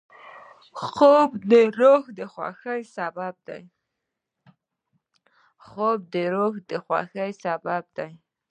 خوب د روح د خوښۍ سبب دی